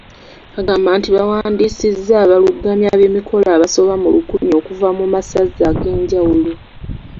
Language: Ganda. Agamba nti bawandiisizza abalung’amya b’emikolo abasoba mu lukumi okuva mu Masaza ag’enjawulo